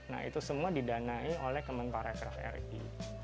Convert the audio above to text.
nah itu semua didanai oleh kementerian pariwisata ri